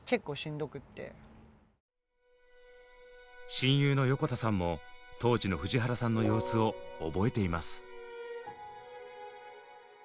親友の横田さんも当時の藤原さんの様子を覚えています。